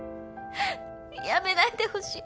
やめないでほしい。